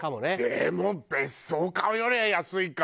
でも別荘買うよりは安いか。